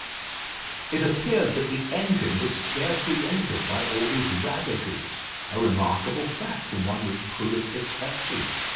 It appeared that the engine was scarcely injured by all these ravages a remarkable fact, and one which proved its excellence.